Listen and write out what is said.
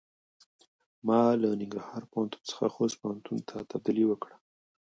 ما له ننګرهار پوهنتون څخه خوست پوهنتون ته تبدیلي وکړۀ.